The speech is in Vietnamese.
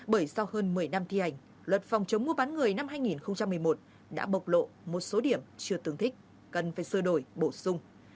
bởi sau hơn một mươi năm thi hành luật phòng chống mua bán người năm hai nghìn một mươi một đã bộc lộ một số điểm chưa tương thích cần phải sơ đổi bổ sung